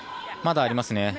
まだありますね。